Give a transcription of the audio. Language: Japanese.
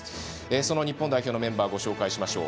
その日本代表のメンバーをご紹介しましょう。